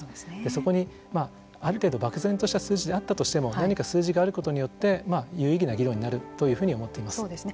そこにまあある程度漠然とした数字であったとしても何か数字があることによってまあ有意義な議論になるというふうに思っています。